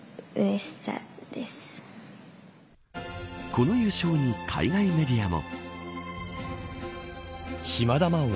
この優勝に海外メディアも。